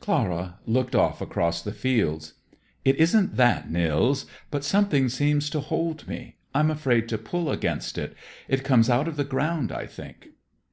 Clara looked off across the fields. "It isn't that, Nils, but something seems to hold me. I'm afraid to pull against it. It comes out of the ground, I think."